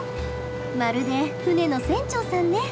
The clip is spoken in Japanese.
まるで船の船長さんね。